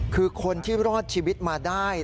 คือคนที่รอดชีวิตมาได้